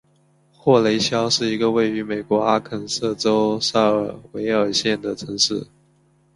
霍雷肖是一个位于美国阿肯色州塞维尔县的城市。